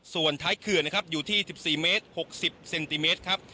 ส่วนท้ายเขื่อนนะครับอยู่ที่๑๔เมตร๖๐เซนติเมตรครับ